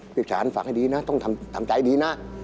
พี่ฉานฟังให้ดีนะต้องทำใจดีนะ